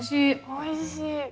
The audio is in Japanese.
おいしい。